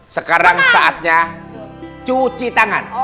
sekarang saatnya cuci tangan